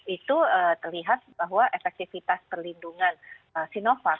itu terlihat bahwa efektivitas perlindungan sinovac